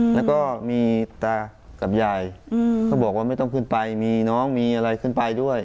แล้วก็มีตากับยายเขาบอกว่าไม่ต้องขึ้นไปมีน้องมีอะไรขึ้นไปด้วย